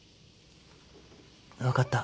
分かった。